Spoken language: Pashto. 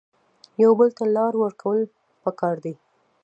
یو بل ته لار ورکول پکار دي